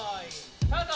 スタート！